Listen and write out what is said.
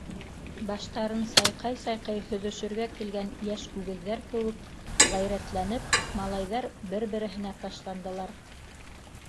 Баштарын сайҡай-сайҡай һөҙөшөргә килгән йәш үгеҙҙәр кеүек ғәйрәтләнеп, малайҙар бер-береһенә ташландылар.